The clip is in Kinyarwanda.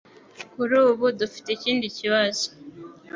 Kuri ubu, dufite ikindi kibazo.